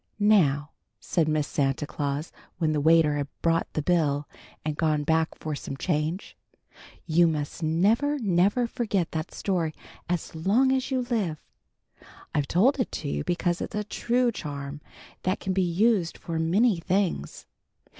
"Now," said Miss Santa Claus, when the waiter had brought the bill and gone back for some change, "you must never, never forget that story as long as you live. I've told it to you because it's a true charm that can be used for many things.